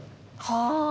はあ！